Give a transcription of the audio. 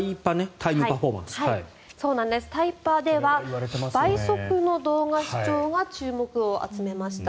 タイパでは倍速の動画視聴が注目を集めました。